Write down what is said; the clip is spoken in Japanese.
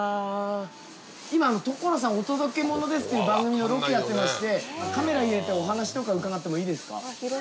今『所さんお届けモノです！』という番組のロケやってましてカメラ入れてお話とか伺ってもいいですか？